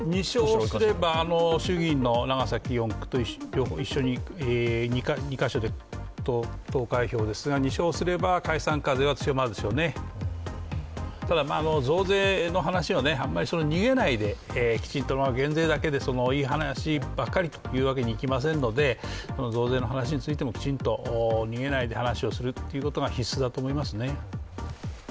衆議院の長崎４区と一緒に２か所で投開票で２勝すればですが、ただ増税の話はなんまり逃げないできちんと減税だけでいい話というわけにはいきませんが増税の話についてもきちんと逃げないで話をするというのが必須だと思いますね。